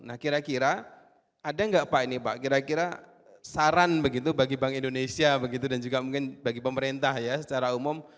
nah kira kira ada nggak pak ini pak kira kira saran begitu bagi bank indonesia begitu dan juga mungkin bagi pemerintah ya secara umum